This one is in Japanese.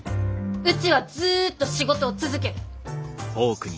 うちはずっと仕事を続ける。